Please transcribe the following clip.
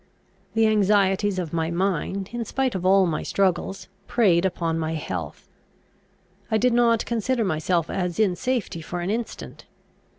The anxieties of my mind, in spite of all my struggles, preyed upon my health. I did not consider myself as in safety for an instant.